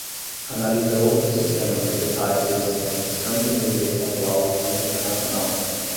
Analisa outros sistemas tributários existentes tanto em nível estadual quanto internacional.